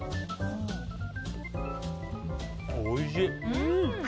おいしい！